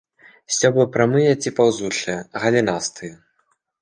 Сцёблы прамыя ці паўзучыя, галінастыя.